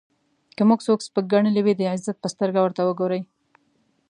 که مو څوک سپک ګڼلی وي د عزت په سترګه ورته وګورئ.